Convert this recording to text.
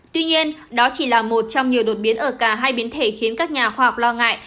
tuy nhiên đó chỉ là một trong nhiều đột biến ở cả hai biến thể khiến các nhà khoa học lo ngại